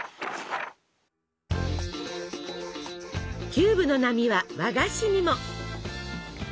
キューブの波は和菓子にも！